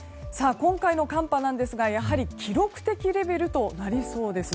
今回の寒波なんですが記録的レベルとなりそうです。